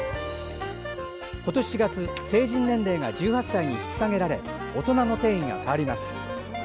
今年４月成人年齢が１８歳に引き下げられ大人の定義が変わります。